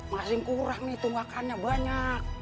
masih kurang nih tunggakannya banyak